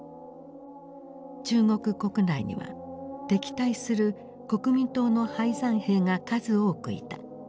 中国国内には敵対する国民党の敗残兵が数多くいた。